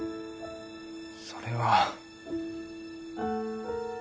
それは。